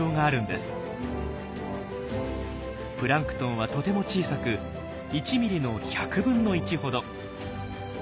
プランクトンはとても小さく１ミリの１００分の１ほど。